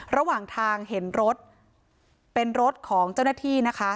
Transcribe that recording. ระหว่างทางเห็นรถเป็นรถของเจ้าหน้าที่นะคะ